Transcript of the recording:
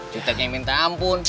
cuteknya yang minta ampun